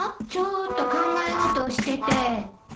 ちょっと考え事をしてて。